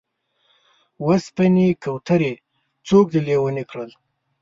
و سپینې کوترې! څوک دې لېونی کړل؟